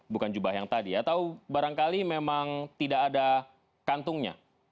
bukan jubah yang tadi atau barangkali memang tidak ada kantungnya